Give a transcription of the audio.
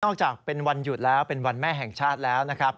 ออกจากเป็นวันหยุดแล้วเป็นวันแม่แห่งชาติแล้วนะครับ